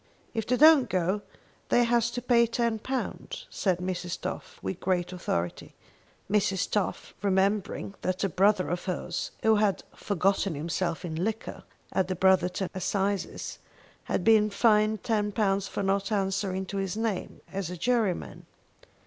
"If they don't go they has to pay £10," said Mrs. Toff with great authority, Mrs. Toff remembering that a brother of hers, who had "forgotten himself in liquor" at the Brotherton assizes, had been fined £10 for not answering to his name as a juryman.